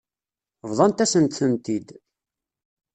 Bḍant-asent-tent-id.